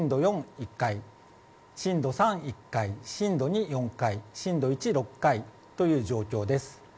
１回震度３、１回震度２、４回震度１、６回という状況です。